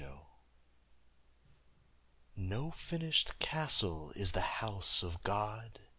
G.] No finished castle is the house of God.